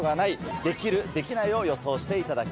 「できる？できない？」を予想していただきます。